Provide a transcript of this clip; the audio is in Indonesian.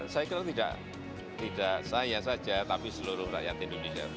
saya kira tidak saya saja tapi seluruh rakyat indonesia